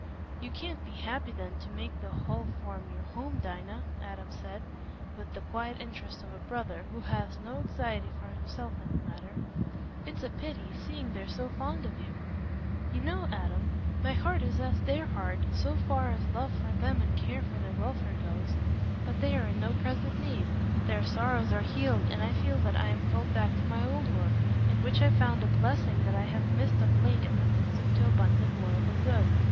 "You can't be happy, then, to make the Hall Farm your home, Dinah?" Adam said, with the quiet interest of a brother, who has no anxiety for himself in the matter. "It's a pity, seeing they're so fond of you." "You know, Adam, my heart is as their heart, so far as love for them and care for their welfare goes, but they are in no present need. Their sorrows are healed, and I feel that I am called back to my old work, in which I found a blessing that I have missed of late in the midst of too abundant worldly good.